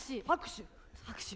拍手。